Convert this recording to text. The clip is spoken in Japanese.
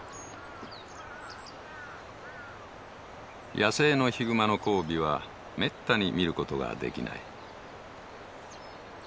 野生のヒグマの交尾はめったに見ることができない。